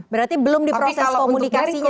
berarti belum diproses komunikasinya